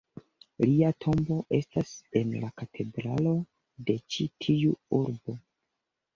Lia tombo estas en la katedralo de ĉi tiu urbo.